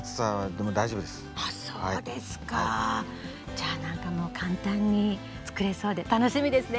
じゃあ何かもう簡単に作れそうで楽しみですね。